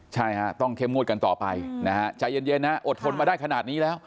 ใช่ฮะต้องเข้มงวดกันต่อไปนะฮะใจเย็นนะอดทนมาได้ขนาดนี้แล้ว